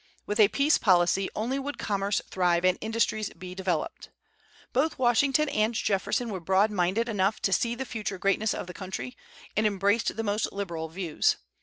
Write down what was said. With a peace policy only would commerce thrive and industries be developed, Both Washington and Jefferson were broad minded enough to see the future greatness of the country, and embraced the most liberal views.